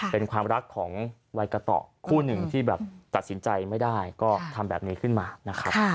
เป็นความรักของวัยกระต่อคู่หนึ่งที่แบบตัดสินใจไม่ได้ก็ทำแบบนี้ขึ้นมานะครับ